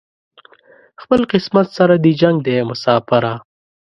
خپل قسمت سره دې جنګ دی مساپره